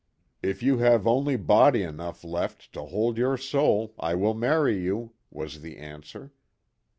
" If you have only body enough left to hold your soul I will marry you," was her answer.